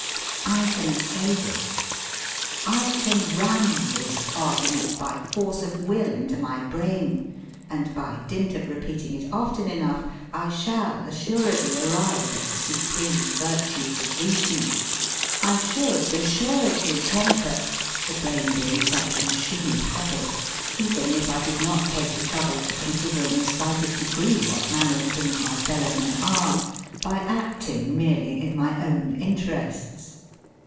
... I can say this. I can ram this argument by force of will into my brain, and by dint of repeating it often enough I shall assuredly arrive at the supreme virtues of reason. I should assuredly conquer the brain being such a machine of habit even if I did not take the trouble to consider in the slightest degree what manner of things my fellow men are by acting merely in my own interests.